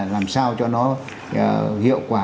làm sao cho nó hiệu quả